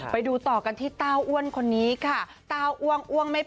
ไปดูต่อกันที่เต้าอ้วนคนนี้ค่ะเต้าอ้วนไม่พอ